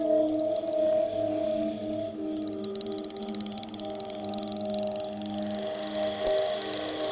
pak pak pak